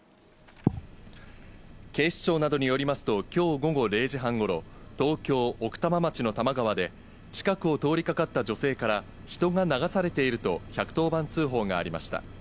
警視庁などによりますと、きょう午後０時半ごろ、東京・奥多摩町の多摩川で、近くを通りかかった女性から人が流されていると、１１０番通報がありました。